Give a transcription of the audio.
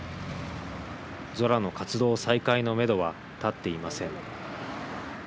ゾラの活動再開のめどは立っていません。